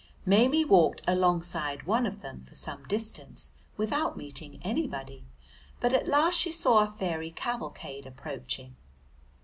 Maimie walked alongside one of them for some distance without meeting anybody, but at last she saw a fairy cavalcade approaching.